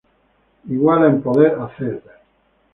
Iguala en poder a Zedd.